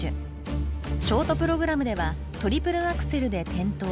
ショートプログラムではトリプルアクセルで転倒。